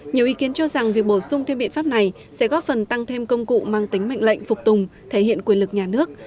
nhiều ý kiến cho rằng việc bổ sung thêm biện pháp này sẽ góp phần tăng thêm công cụ mang tính mệnh lệnh phục tùng thể hiện quyền lực nhà nước